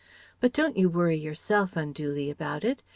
But don't you worry yourself unduly about it.